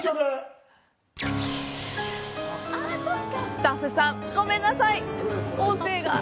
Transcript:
スタッフさん、ごめんなさい。